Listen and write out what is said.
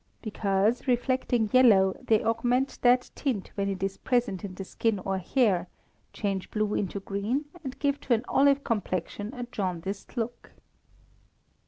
_ Because, reflecting yellow, they augment that tint when it is present in the skin or hair, change blue into green, and give to an olive complexion a jaundiced look.